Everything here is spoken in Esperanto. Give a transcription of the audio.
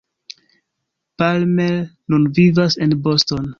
Palmer nun vivas en Boston.